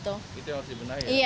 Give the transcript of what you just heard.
itu yang harus dibunuh ya